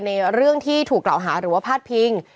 เรื่องที่ถูกกล่าวหาหรือว่าพาดพิง